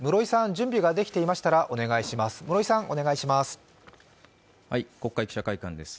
準備ができていましたらお願いします。